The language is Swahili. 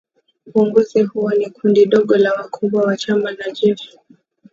Uongozi huo ni kundi dogo la wakubwa wa chama na jeshi